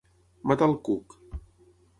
Matar el cuc.